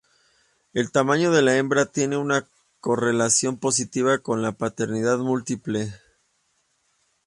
El tamaño de la hembra tiene una correlación positiva con la paternidad múltiple.